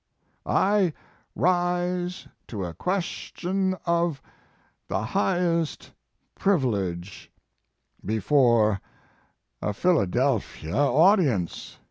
I rise to a question of the highest privilege before a Philadelphia audience."